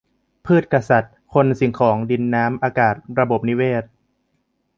พืชกะสัตว์ คน สิ่งของ ดิน น้ำ อากาศ ระบบนิเวศ